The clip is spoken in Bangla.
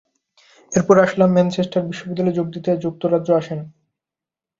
এরপরে আসলাম ম্যানচেস্টার বিশ্ববিদ্যালয়ে যোগ দিতে যুক্তরাজ্যে আসেন।